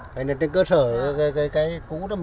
cái này trên cơ sở của cái cú này là của thời trăm ba